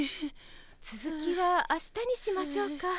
つづきは明日にしましょうか。